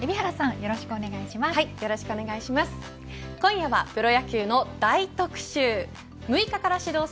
よろしくお願いします。